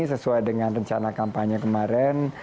sesuai dengan rencana kampanye kemarin